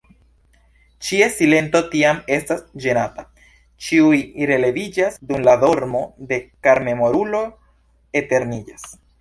Ĉies silento tiam estas ĝenata; Ĉiuj releviĝas, dum la dormo de karmemorulo eterniĝas.